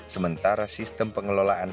sementara sistem pengelolaan